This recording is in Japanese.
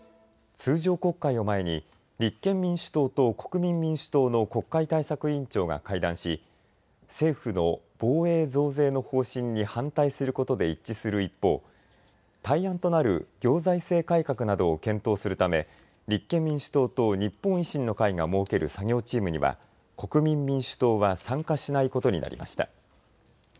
通常国会を前に立憲民主党と国民民主党の国会対策委員長が会談し政府の防衛増税の方針に反対することで一致する一方、対案となる行財政改革などを検討するため、立憲民主党と日本維新の会が設ける作業チームには国民民主党は参加しないことになりました。